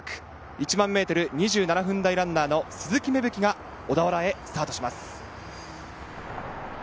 １００００ｍ２７分台ランナーの鈴木芽吹が小田原へスタートします。